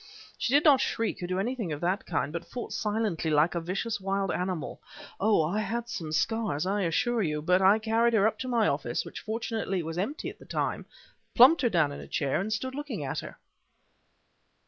She did not shriek or do anything of that kind, but fought silently like a vicious wild animal. Oh! I had some scars, I assure you; but I carried her up into my office, which fortunately was empty at the time, plumped her down in a chair, and stood looking at her."